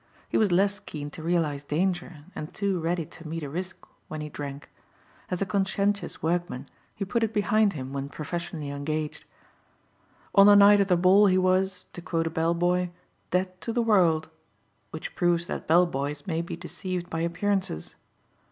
He was less keen to realize danger and too ready to meet a risk when he drank. As a conscientious workman he put it behind him when professionally engaged. On the night of the ball he was, to quote a bell boy, dead to the world, which proves that bell boys may be deceived by appearances.